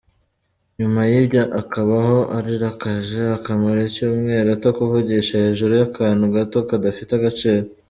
Nyuma yibyo akabaho arirakaje akamara icyumweru atakuvugisha hejuru yakantu gato kadafite agaciro.